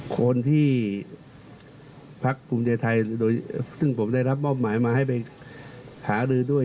คนที่พักกลุ่มใจไทยตึกผมได้รับมอบหมายไว้มาสามารถหารือด้วย